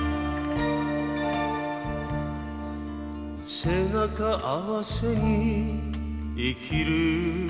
「背中合わせに生きるよりも」